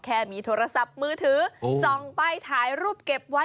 แค่มีโทรศัพท์มือถือส่องไปถ่ายรูปเก็บไว้